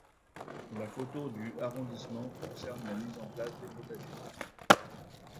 La photo du arrondissement concerne la mise en place des potagers.